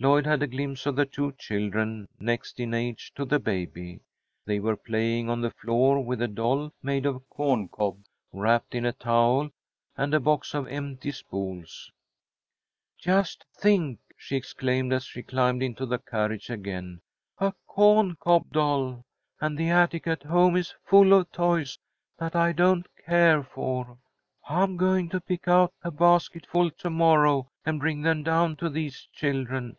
Lloyd had a glimpse of the two children next in age to the baby. They were playing on the floor with a doll made of a corn cob wrapped in a towel, and a box of empty spools. "Just think!" she exclaimed as she climbed into the carriage again. "A cawn cob doll! And the attic at home is full of toys that I don't care for! I'm going to pick out a basketful to morrow and bring them down to these children.